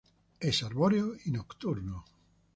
Es arbóreo y nocturno.